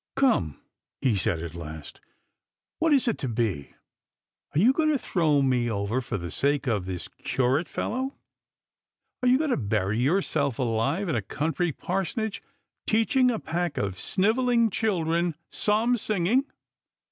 "Come," he said at last, "what is it to be? Are you going to throw me over for the sake of this curate fellow? Are y<>u going to bury yourself : 'Jive in a country parsonage, teaclimg a pack of snivellirg children psalm singing?